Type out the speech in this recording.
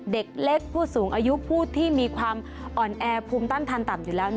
เด็กเล็กผู้สูงอายุผู้ที่มีความอ่อนแอภูมิต้านทานต่ำอยู่แล้ว